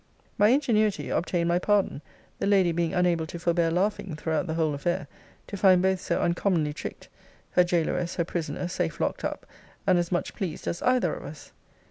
'My ingenuity obtained my pardon: the lady being unable to forbear laughing throughout the whole affair, to find both so uncommonly tricked; her gaoleress her prisoner, safe locked up, and as much pleased as either of us.'